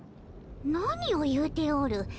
何を言うておる。